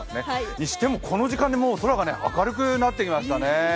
にしてもこの時間でもう空が明るくなってきましたね。